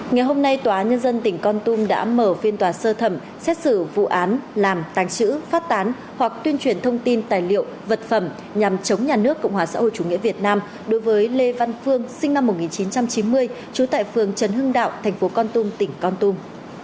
ngày hôm nay tòa nhân dân tỉnh con tum đã mở phiên tòa sơ thẩm xét xử vụ án làm tàng trữ phát tán hoặc tuyên truyền thông tin tài liệu vật phẩm nhằm chống nhà nước cộng hòa xã hội chủ nghĩa việt nam đối với lê văn phương sinh năm một nghìn chín trăm chín mươi trú tại phường trần hưng đạo thành phố con tum tỉnh con tum